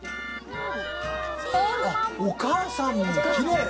お母さんもきれい。